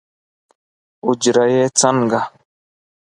اوجره یې څنګه؟